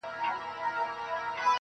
اوس كرۍ ورځ زه شاعري كومه.